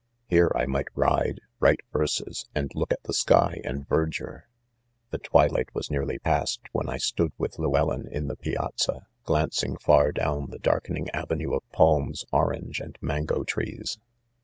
Here I might ride, write verses, and look at~the sky and verdure. ' The twilight was nearly past, when I stood with Llewellyn, in the piazza, glancing far down #he darkening avenue of palms, or ange, and mango trees.